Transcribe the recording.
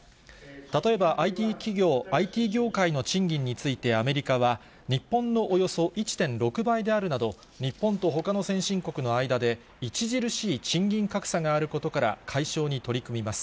例えばＩＴ企業、ＩＴ業界の賃金についてアメリカは、日本のおよそ１．６倍であるなど、日本とほかの先進国の間で、著しい賃金格差があることから、解消に取り組みます。